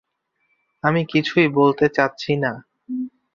আমি কিছুই বলতে চাচ্ছি না।